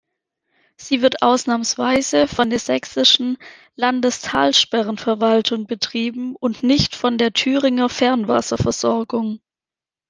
Sie wird ausnahmsweise von der sächsischen Landestalsperrenverwaltung betrieben und nicht von der Thüringer Fernwasserversorgung.